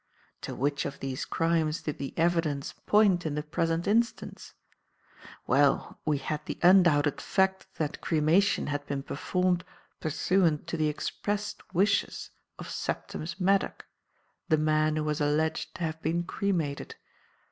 "To which of these crimes did the evidence point in the present instance? Well we had the undoubted fact that cremation had been performed pursuant to the expressed wishes of Septimus Maddock, the man who was alleged to have been cremated.